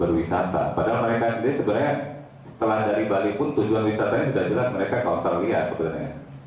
berwisata padahal mereka sendiri sebenarnya setelah dari bali pun tujuan wisatanya juga jelas mereka ke australia sebenarnya